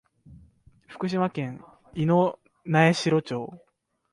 福島県猪苗代町